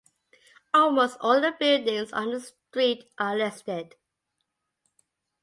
Almost all the buildings on the street are listed.